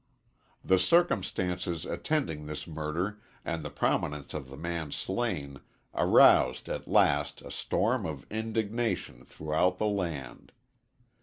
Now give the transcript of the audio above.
The circumstances attending this murder and the prominence of the man slain aroused at last a storm of indignation throughout the land.